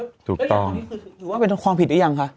ชัดอะไรตอนนี้คือคือถือว่าเป็นความผิดหรือยังคะ